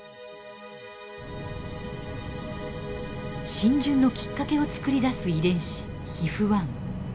浸潤のきっかけをつくり出す遺伝子ＨＩＦ−１。